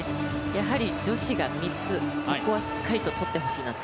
やはり、女子が３つしっかりとってほしいなと。